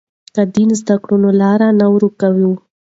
که دین زده کړو نو لار نه ورکوو.